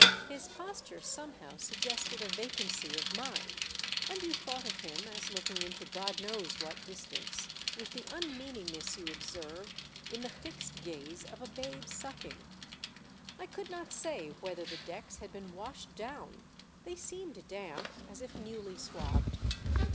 His' ^posture somehow suggested a vacancy of mind ^^^ yc>u thought of him as looking into God kn'c^ws what distance, with the unmean ino ness Y^u observe in the fixed gaze of a babe suc'^^^g I coul d ^ot say whether the decks had been wr^^hed down ; they seemed damp, as if newl.y swabbed.